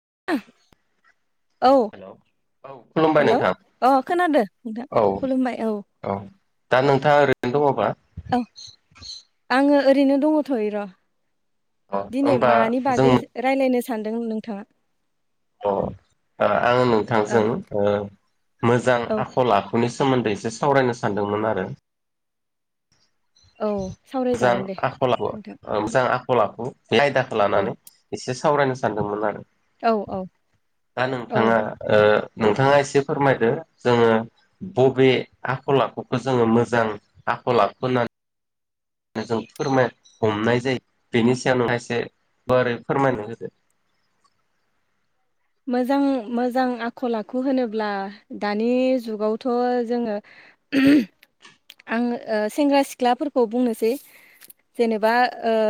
[unintelligible] औ हेलौ औ खुलुमबाय हेल' नोंथां अ खोनादो नोंथां औ खुलुमबाय औ दा नोंथांङा ओरैनो दङबा औ आंङो ओरैनो दङथय र अ दिनै होमबा मानि जों बागै राय्लायनो सानदों नोंथांङा अ आं औ नोंथांजों मोजां औ आखल लाख बेनि सोमोन्दै एसे सावरायनो सानदोंमोन आरो औ मोजां सावरायजागोन दे आखल लाबो नोंथां मोजां आखल खल आखु बे आयदाखौ औ लानानै एसे सावरायनो सानदोंमोन आरो औ औ दा औ नोंथांङा नोंथांङा एसे फोरमायदो जोंङो बबे आखल आखुखौ जोंङो मोजां आख आखु होननानै जों फोरमाय हमनाय जायो बेनि सायाव नोंथां इसे गुवारै फोरमायनो होदो मोजां मोजां आखल आखु होनोब्ला दानि जुगावथ जोंङो आंङो सेंग्रा सिख्लाफोरखौ बुंनोसै जेनेबा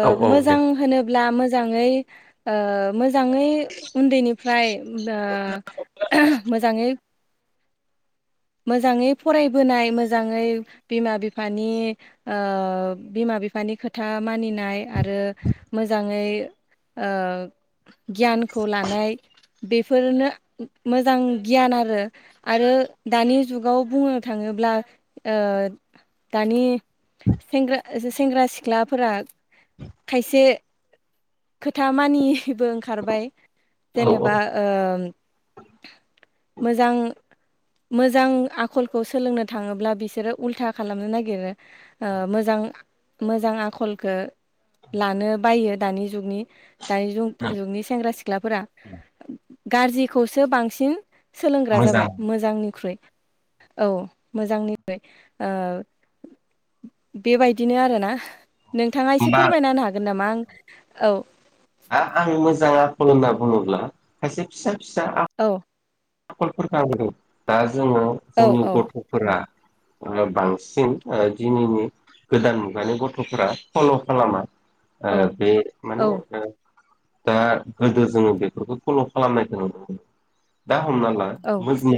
औ औ दे मोजां होनोब्ला मोजांङै मोजांङै ओमफ्राय मोजांङै मोजांङै फरायबोनाय मोजांङै बिमा बिफानि बिमा बिमा बिफानि खोथा मानिनाय आरो मोजांङै गियानखौ लानाय बेफोरनो मोजां गियान आरो आरो दानि जुगाव बुंनो थांङोब्ला दानि सेंग्रा सेंग्रा सिख्लाफोरा खायसे खोथा मानियिबो ओंखारबाय औ औ जेनेबा मोजां मोजां आखलखौ सोलोंनो थांङोब्ला बिसोरो उल्था खालामनो नागिरो मोजां मोजां आखल खो लानो बायो दानि जुगनि दानि जुगनि सेंग्रा सिख्लाफोरा गाज्रिखौसो बांसिन सोलोंग्रा मोजां जाबाय मोजांनिख्रु औ मोजांनिख्रु बेबायदिनो आरोना नोंथांङा एसे होमबा फोरमायना होनो हागोन नामा आं औ दा आं मोजां आखल होनना बुङोब्ला खायसे फिसा फिसा आल औ फुटबलफोर गाबदों दा जोंङो औ जोंनि औ गथफोरा बांसिन दिनैनि गोदान मुगानि गथफोरा फल खालामा औ बे औ माने दा गोदो जोंङो बेफोरखौ फल खालामनायखौ नुनो मोनो दा हमना ला औ मोज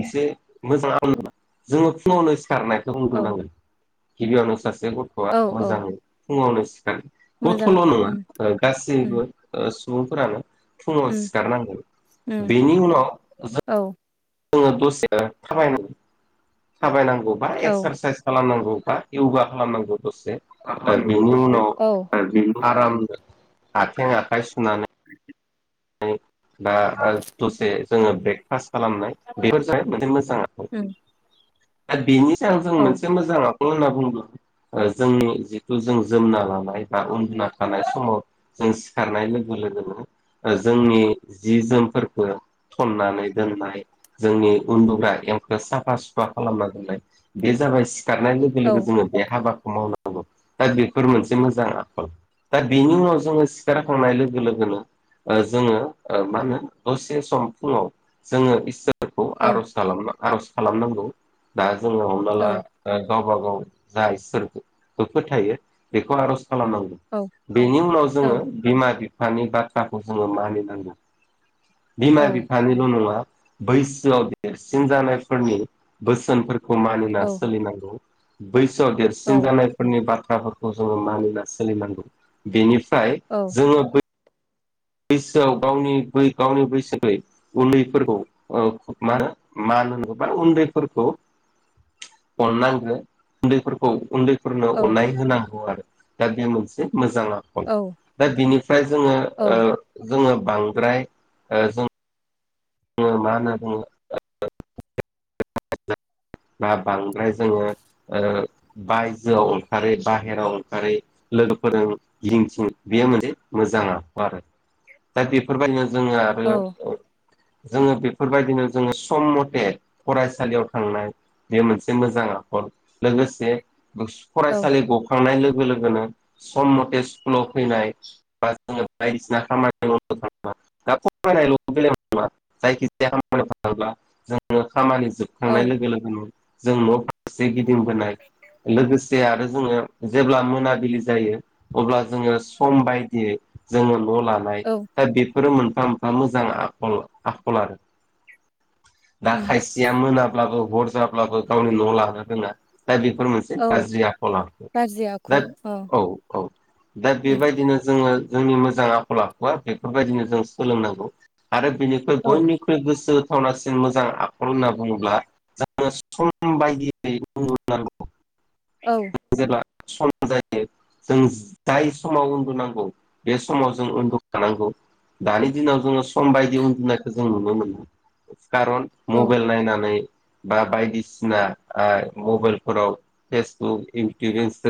मोनसे मोजां आं जोंङो फुङावनो सिखारनायखौ बुंगो [unintelligible] औ नांगोन गिबियावनो सासे गथआ औ औ मोजाङै फुङावनो सिखार मोजां गथल नङा उम उम गासैबो सुबुंफोरानो फुङाव उम सिखारनांगौ उम बेनि उनाव जों औ जोंङो दसे थाबायनांगौ बा औ एक्सारसाइस खालामनांगौ इउगा खालामनांगौ दसे बेनि उनाव बेनि आरामनो आथें आखाइ सुनानै दा दसे जोंङो ब्रेकफास्ट खालामनाय बेफोरजों मोनसे मोजां औ आद बेनि सायाव जों मोनसे मोजाङाव [unintelligible] होनना बुङो जोंनि जिथु जों जोमना लानाय बा उन्दुना थानाय समाव जों सिखारनाय लोगो लोगोनो जोंनि जि जोमफोरखौ थननानै दोननाय जोंनि उन्दुग्रा ए साफा सुफा खालामना दोननाय बे जाबाय सिखारनाय लोगो लोगो औ जोङो बे हाबाखौ मावनांगौ दा बेफोर मोनसे मोजां आखल दा बेनि उनाव जोङो सिखारखांनाय लोगो लोगोनो ओ जोङो ओ मा होनो दसे सम फुङाव जोङो इसोरखौ औ आर'ज खालामना आर'ज खालामनांगौ दा जोङो हमना ला औ ओ गावबा गाव जा इसोरखौ फोथायो बेखौ आर'ज खालामनांगौ औ बेनि उनाव औ जोङो बिमा बिफानि बाथ्राखौ जोङो मानिनांगौ बिमा औ बिफानिल' नङा बैसोआव देरसिन जानायफोरनि बोसोनफोर खौ मानिना औ सोलिनांगौ बैसोआव देरसिन औ जानायफोरनि बाथ्राफोरखौ जोङो मानिना सोलिनांगौ बेनि फ्राय औ जोङो बै बैसोआव गावनि बै गावनि बैसो [unintelligible] न्दैफोरखौ मा होनो मा [unintelligible] उन्दैफोरखो अननांगौ उन्दैफोरखो उन्दै फोरनो औ अननाय होनांगौ आरो दा बे मोनसे मोजां आखल औ दा बिनि फ्राय जोङो ओ जोङो बांद्राय ओ जों जों मा होनना बुङो ओ ना बांद्राय जोङो ओ बायजोआव ओंखारो बाहेराव ओंखारै लोगोफोरजों गिदिंथिं बेयो मोनसे मोजां आखु आरो दा बेफोरबायदिनो जोङो आरो जोङो बेफोरबायदिनो जोङो सम मथे फरायसालियाव थांनाय बे मोनसे मोजां आखल लोगोसे औ फरायसालि गखांनाय लोग लोगो लोगोनो सम मथे स्कुलाव फैनाय बा जोङो बायदिसिना खामानि माव [unintelligible] थां दा फरायनायल' बेलायावल नङा जायखिजाया खामानिआव थाङोब्ला जोङो खामानि औ जोबखांनाय औ लोगो लोगोनो जों न' फारसे गिदिंबोनाय लोगोसे आरो जोङो जेब्ला मोनाबिलि जायो अब्ला जोङो सम बायदियै जोङो न' लानाय दा बेफोरो मोनफा मोनफा मोजां आखल आकर आरो दा ओम खायसेया मोनाब्लाबो हर जाब्लाबो गावनि न'आव लानो रोङा दा बेफोर मोनसे औ गाज्रि आखल आखु गाज्रि दा आखल औ औ दा ओम बेबायदिनो जोङो जोंनि मोजां आखल आखुआ बेफोरबायदिनो जों सोलोंनांगौ आरो बेनिख्रुइ औ बयनिख्रुइ गोसो थावनासिन मोजां आखल होनना बुङोब्ला [unintelligible] जों सम बायदियै [unintelligible] नांगौ औ सम जायो जों जाय समाव उन्दुनांगौ बे समाव जों उन्दुखानांगौ दानि दिनाव जोङो सम बायदि उन्दुनायखौ जों नुनो मोन खारन औ मबाइल नायनानै बा बायदिसिना ओ मबाइलफोराव फेसबुक इ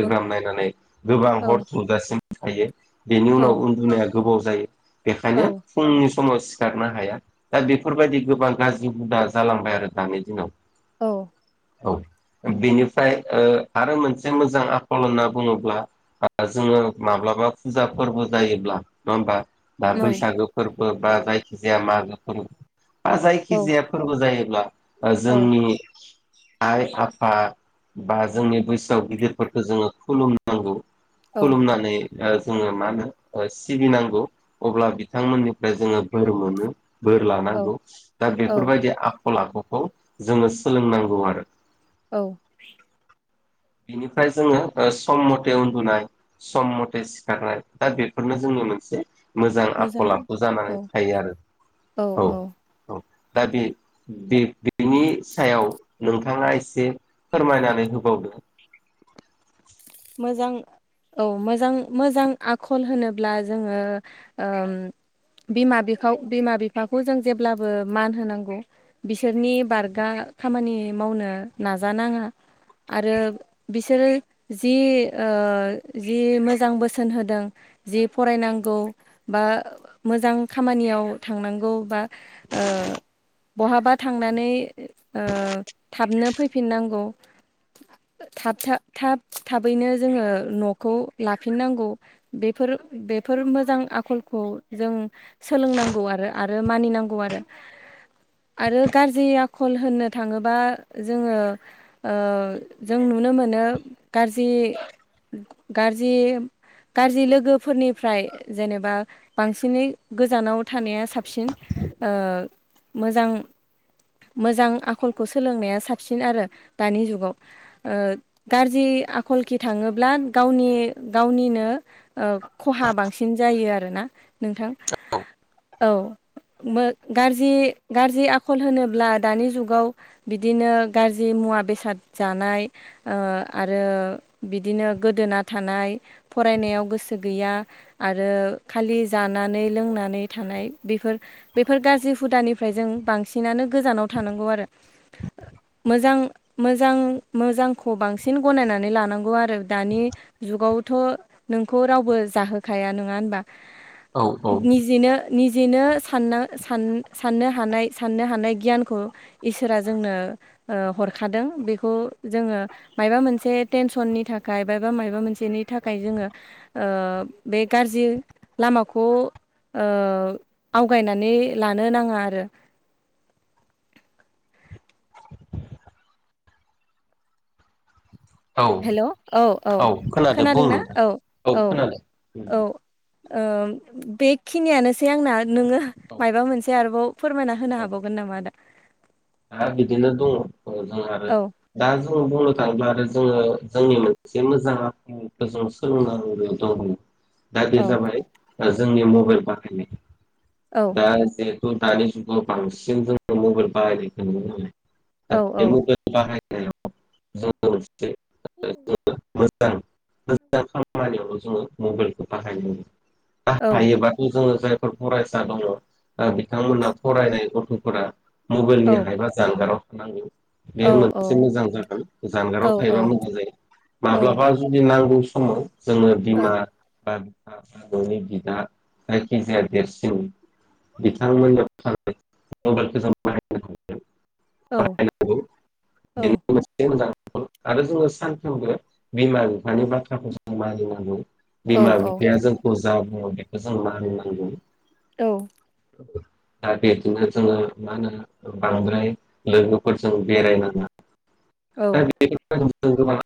मो नायनानै गोबां औ हर थौजासिम थायो बेनि उनाव औ उन्दुनाया गोबाव जायो औ बेखायनो फुंनि स समाव सिखारनो हाया दा बेफोरबायदि गोबां गाज्रि हुदा जालांबाय आरो दानि दिनाव औ औ बेनिफ्राय ओ आरो मोनसे मोजां आखल होनना बुङोब्ला जोङो माब्लाबा फुजा फोरबो जायोब्ला नङा होमबा बा औ बैसागो फोरबो बा जायखि जाया मागो फोरबो बा जायखिजाया फोरबो जायो जोंनि आइ आफा बा जोंनि बैसोआव गिदिरफोरखौ जोंङो खुलुमनांगौ खुलुमनानै जोंङो मा होनो सिबिनांगौ अब्ला बिथांमोननिफ्राय जोंङो बोर मोनो बोर लानांगौ दा औ बेफोरबायदि आखल आखुखौ जोंङो सोलोंनांगौ आरो औ बिनिफ्राय जोंङो सम मथे उन्दुनाय सम मथे सिखारनाय दा बेफोरनो जोंङो मोनसे मोजां आखल आखु औ जानानै थायो आरो औ औ दा बे बेनि सायाव नोंथाङा एसे फोरमायनानै होबावदो मोजां औ मोजां मोजां आखल होनोब्ला जोंङो ओ बिमा बिफा बिमा बिफाखौ जों जेब्लाबो मान होनांगौ बिसोरनि बारगा खामानि मावनो नाजा नाङा आरो बिसोरो जि ओ जि मोजां बोसोन होदों जि फरायनांगौ बा मोजां खामानियाव थांनांगौ बा बहाबा थांनानै ओ थाबनो फैफिननांगौ थाब थ थाब थाबैनो जोंङो न'खौ लाफिननांगौ बेफोर बेफोर मोजां आखल खौ जों सोलोंनांगौ आरो आरो मानिनांगौ आरो आरो गाज्रि आखल होननो थांङोबा जोंङो जों नु नुनो मोनो गाज्रि गाज्रि गाज्रि लोगोफोरनिफ्राय जेनेबा बांसिनै गोजानाव थानाया साबसिन ओ मोजां मोजां आखलखौ सोलोंनाया साबसिन आरो दानि जुगाव ओ गाज्रि आखलखथिं थांङोब्ला गावनि गावनिनो खहा बांसिन जायो आरोना नोंथां औ गाज्रि गाज्रि आखल होनोब्ला दानि जुगाव बिदिनो गाज्रि मुवा बेसाद जानाय ओ आरो आरो बिदिनो गोदोना थानाय फरायनायाव गोसो गैया आरो खालि जानानै लोंनानै थानाय बेफोर बेफोर गाज्रि हुदानिफ्राय जों बांसिनानो गोजानाव थानांगौ आरो मोजां मोजां मोजांखौ बांसिन बांसिन गनायनानै लानांगौ आरो दानि जुगावथ' नोंखौ रावबो जाहोखाया नंङा होनबा औ औ [inaudible] निजेनो निजेनो साननान साननो हानाय साननो हानाय गियानखौ इसोरा जोंनो हरखादों बेखौ जोंङो मायबा मोनसे टेनसननि थाखाय बायबा माबा मोनसेनि थाखाय जोंङो बे ओ गाज ज्रि लामाखौ आवगायनानै लानो नांङा आरो [inaudible] औ हेलौ औ औ खोनादों बुं खोनादोंना नोंथां औ औ खोनादों औ बेखिनियानोसै आंना नोंङो औ माबा मोनसे आरोबाव फोरमायना होनो हाबावगोन नामा आदा ह बिदिनो दंङ जों आरो औ दा ज बुंनो थांङोब्ला आरो जोंङो जोंनि मोनसे मोजां आखखौजों सोलोंनांगौ दं दा बे औ जाबाय जोंनि मबाइल बाहायनाय औ दा ज दानि जुगाव बांसिन जोंङो मबाइल औ औ बाहायनायखौ नुनो मोनो दा बे मबाइल बाहायनाय [unintelligible] मो मोजां खामानियावनो जोंङो मबाइलखौ बाहायो औ बाहायोबा जोङो जायफोर फरायसा दङ ओ बिथांमोना फरायनाय गथ'फोरा औ मबाइलनि हायबा जानगाराव थानांगो औ बेयाव मोनसे मोजां जागोन औ जानगाराव थायोबा मोजां जायो औ माब्लाबा जुदि नांगौ स समाव जोङो बिमा बा आ आबौनि बिदा जायखिजाया देरसिन बिथांमोननो थाखाय म'बाइलखो जों बाहायनांगौ। एम बाहायनांगौ औ बेखौबो सेम होनदो आं ओ आरो जोङो सानफ्रोमबो बिमा बिफानि बाथ्राखौ जों मानिनांगौ। बिमा औ बिफाया जोंखौ जा बुङो बेखो जों मानिनांगौ। औ उम दा बेखोनो जोङो मा होनो ओ बांद्राय लोगोफोरजों बेरायनाङा दा बेनिखायनो [unintelligible] जों गोबां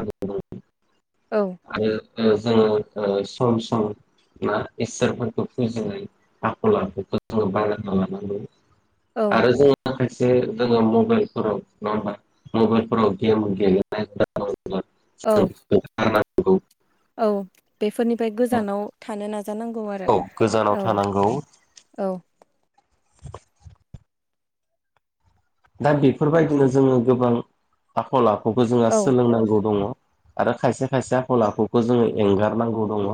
[unintelligible] आरो ओ जोङो ओ सम सम ना इसोरफोरखौ फुजिनाय आखल आखुखौ जोङो बायराल खालामनांगौ। आरो जोंनि थाखायसो जोङो मबेलफोराव नङा होमबा मबेलफोराव गेम गेलेनाय हुदा औ [unintelligible] नंगौ। औ बेफोरनिफ्राय गोजानाव थानो नाज जानांगौ आरो औ गोजानाव औ थानांगौ औ दा बेफोरबायदिनो जोङो गोबां आखल आखुखो जोंङो औ सोलोंनांगौ दङ। आरो खायसे खायसे आखल आखुखौ जोङो एंगारनांगौ दङ।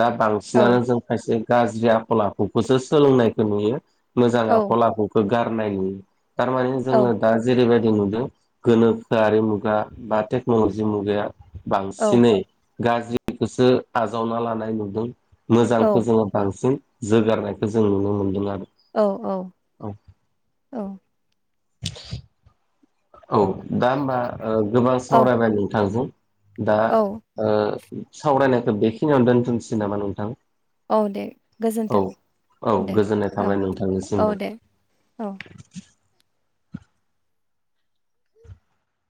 दा बांसिनानो औ जों खायसे गाज्रि आखल आखुखोसो सोलोंनायखो नुयो। मोजां औ आख'ल आखुखो गारनायनि टारमाने जोङो दा जेरैबायद दि नुदों गोनोखोआरि मुगा बा टेक्न'लजि मुगाया औ बांसिनै गाज्रिखोसो आजावना लानाय नुदों औ मोजांख जोङो बांसिन जोगारनायखो जों नुनो मोनदों आरो औ औ औ औ औ दा होमबा ओ गोबां सावरायबाय नोंथांजों दा औ ओ ओ सावरायनायखो बेखिनियावनो दोनथ'नसै नामा नोंथां? औ दे औ गोजोन्थों औ गोजोननाय थाबाय नोंथांनिसिमबो। अ